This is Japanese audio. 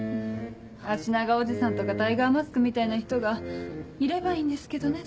あしながおじさんとかタイガーマスクみたいな人がいればいいんですけどね